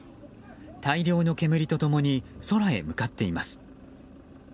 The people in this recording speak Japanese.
大量の煙と共に空へ向かっています。